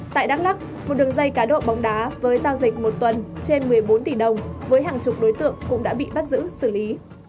tại đắk lắc một đường dây cá độ bóng đá với giao dịch một tuần trên một mươi bốn tỷ đồng với hàng chục đối tượng cũng đã bị bắt giữ xử lý